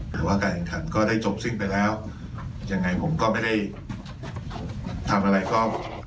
แต่ว่าการแข่งขันก็ได้จบสิ้นไปแล้วยังไงผมก็ไม่ได้ทำอะไรก็